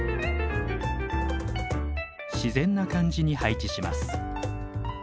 自然な感じに配置します。